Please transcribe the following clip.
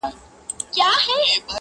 له دې به یې هدف څه شی وي